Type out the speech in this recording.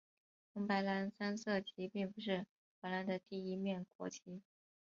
红白蓝三色旗并不是荷兰的第一面国旗。